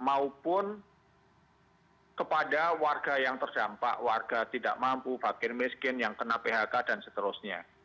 maupun kepada warga yang terdampak warga tidak mampu bagian miskin yang kena phk dan seterusnya